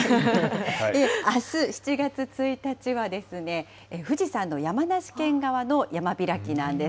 あす７月１日はですね、富士山の山梨県側の山開きなんです。